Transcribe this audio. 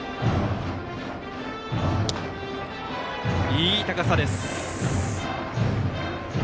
いい高さです。